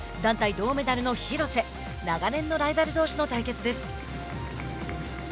銅メダルの廣瀬長年のライバルどうしの対決です。